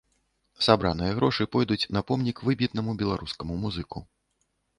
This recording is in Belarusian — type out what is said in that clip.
Сабраныя грошы пойдуць на помнік выбітнаму беларускаму музыку.